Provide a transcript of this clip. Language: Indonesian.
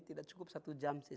tidak cukup satu jam